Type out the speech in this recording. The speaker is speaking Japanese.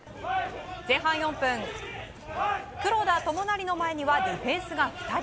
前半４分、黒田智成の前にはディフェンスが２人。